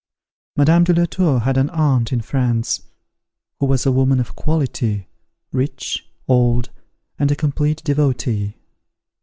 Madame de la Tour had an aunt in France, who was a woman of quality, rich, old, and a complete devotee.